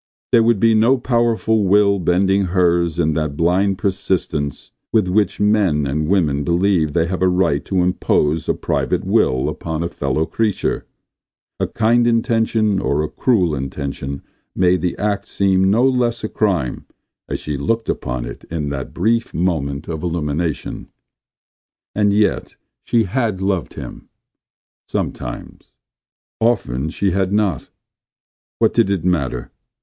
There would be no powerful will bending hers in that blind persistence with which men and women believe they have a right to impose a private will upon a fellow creature. A kind intention or a cruel intention made the act seem no less a crime as she looked upon it in that brief moment of illumination. And yet she had loved him — sometimes. Often she had not. What did it matter!